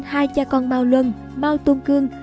hai cha con mao luân mao tôn cương